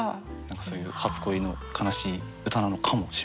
何かそういう初恋の悲しい歌なのかもしれません。